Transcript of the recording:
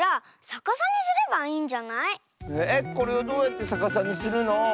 えっこれをどうやってさかさにするの？